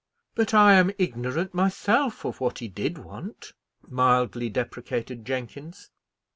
"But I am ignorant myself of what he did want," mildly deprecated Jenkins.